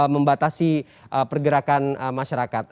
membatasi pergerakan masyarakat